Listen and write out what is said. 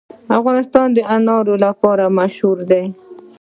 افغانستان د انار لپاره مشهور دی.